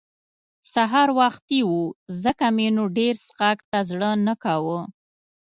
سهار وختي وو ځکه مې نو ډېر څښاک ته زړه نه کاوه.